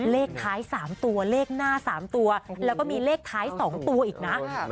เลขท้าย๓ตัวเลขหน้า๓ตัวแล้วก็มีเลขท้าย๒ตัวอีกนะ